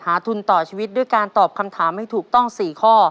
ทุนต่อชีวิตด้วยการตอบคำถามให้ถูกต้อง๔ข้อ